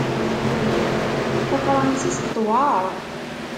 Tafṛansist tewɛeṛ.